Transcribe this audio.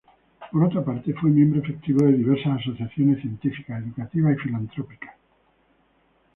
Por otra parte, fue miembro efectivo de diversas asociaciones científicas, educativas y filantrópicas.